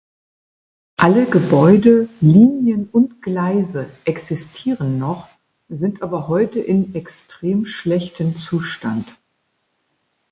Alle Gebäude, Linien und Gleise existieren noch, sind aber heute in extrem schlechten Zustand.